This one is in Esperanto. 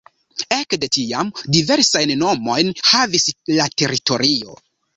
Ekde tiam diversajn nomojn havis la teritorio.